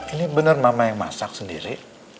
ini benar mama yang masak sendiri